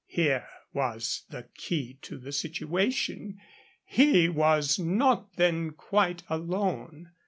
Here was the key to the situation. He was not then quite alone.